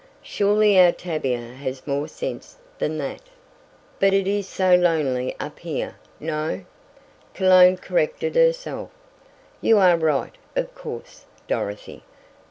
"Surely our Tavia has more common sense than that." "But it is so lonely up here no," Cologne corrected herself, "you are right, of course, Dorothy.